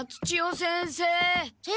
先生！